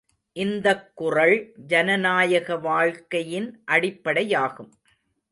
இந்தக் குறள் ஜனநாயக வாழ்க்கையின் அடிப்படையாகும்.